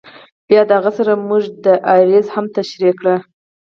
بیا د هغه سره مونږ پی ډی آریز هم تشریح کړل.